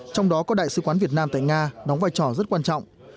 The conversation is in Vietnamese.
trong đó có đại sứ quán việt nam tại nga đóng vai trò rất quan trọng